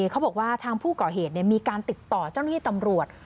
เขาบอกว่าทางผู้ก่อเหตุมีการติดต่อเจ้าหน้าที่ตำรวจ